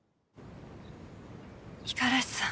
五十嵐さん。